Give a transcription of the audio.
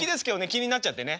気になっちゃってね。